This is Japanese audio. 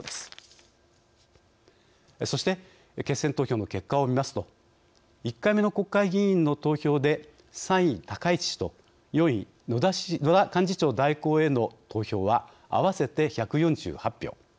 そして決選投票の結果を見ますと１回目の国会議員の投票で３位高市氏と４位野田幹事長代行への投票は合わせて１４８票。